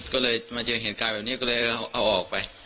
ก็เลยมาเจอเหตุการณ์แบบนี้ก็เลยเอาออกไป